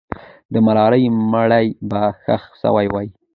د ملالۍ مړی به ښخ سوی وي.